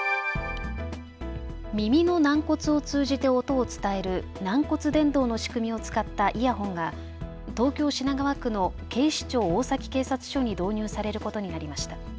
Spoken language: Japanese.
耳の軟骨を通じて音を伝える軟骨伝導の仕組みを使ったイヤホンが東京品川区の警視庁大崎警察署に導入されることになりました。